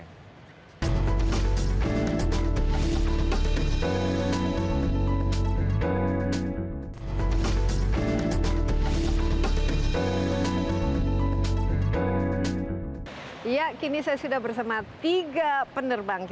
saat ini sudah kami tanggung